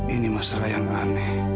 ini masalah yang aneh